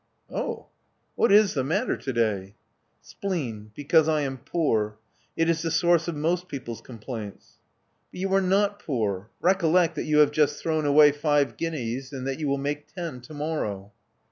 " Oh ! What is the matter to day?' ' Spleen — because I am poor. It is the source of most people's complaints." '*But you are not poor. Recollect that you have Love Among the Artists 259 just thrown away five guineas, and that you will make ten to morrow."